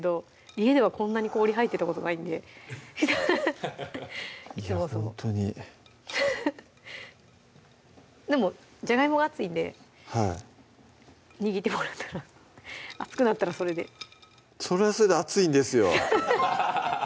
家ではこんなに氷入ってたことないんでいやほんとにでもじゃがいもが熱いんで握ってもらったら熱くなったらそれでそれはそれで熱いんですよ